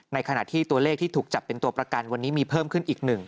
ขณะที่ตัวเลขที่ถูกจับเป็นตัวประกันวันนี้มีเพิ่มขึ้นอีก๑